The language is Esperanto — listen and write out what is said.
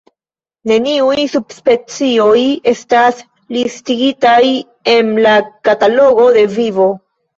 Neniuj subspecioj estas listigitaj en la Katalogo de Vivo.